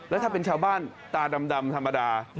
แล้วถ้าเป็นชาวบ้านตาดำธรรมดา